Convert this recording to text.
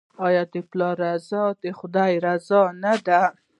آیا د پلار رضا د خدای رضا نه ده؟